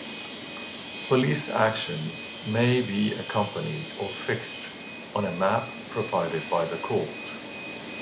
Police actions may be accompanied or fixed on a map provided by the court.